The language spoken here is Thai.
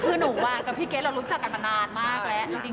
คือหนูกับพี่เกรทเรารู้จักกันมานานมากแล้ว